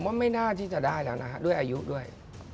ว่าไม่น่าที่จะได้แล้วนะฮะด้วยอายุด้วย